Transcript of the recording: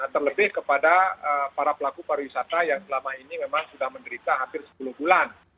terlebih kepada para pelaku pariwisata yang selama ini memang sudah menderita hampir sepuluh bulan